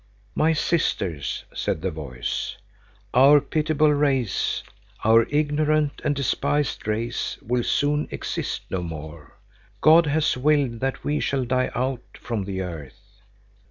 "My sisters," said the voice, "our pitiable race, our ignorant and despised race will soon exist no more. God has willed that we shall die out from the earth.